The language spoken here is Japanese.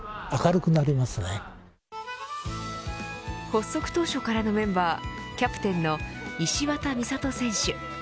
発足当初からのメンバーキャプテンの石渡美里選手。